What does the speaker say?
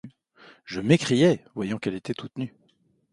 Je m'écriai, voyant qu'elle était toute nue :.